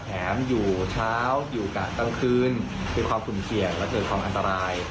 แถมอยู่เช้าอยู่กะกลางคืนมีความสุ่มเสี่ยงและเกิดความอันตราย